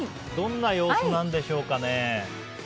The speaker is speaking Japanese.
どんな様子なんでしょうかね。